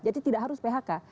jadi tidak harus phk